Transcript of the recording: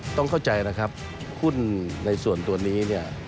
ต้องเข้าใจนะครับหุ้นในส่วนตัวนี้เนี่ย